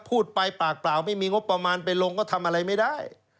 พูดไปปากเปล่าไม่มีงบประมาณไปลงก็ทำอะไรไม่ได้